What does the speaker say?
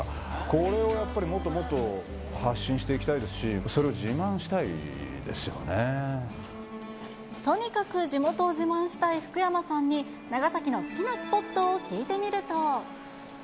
これをやっぱり、もっともっと発信していきたいですし、それを自とにかく地元を自慢したい福山さんに、長崎の好きなスポットを聞いてみると。